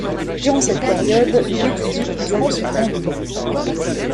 Durant cette période il étudie durant son temps libre.